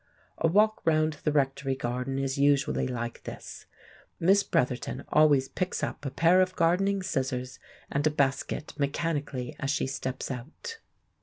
A walk round the rectory garden is usually like this. Miss Bretherton always picks up a pair of gardening scissors and a basket mechanically as she steps out.